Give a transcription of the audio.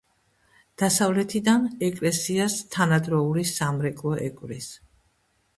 დასავლეთიდან ეკლესიას თანადროული სამრეკლო ეკვრის.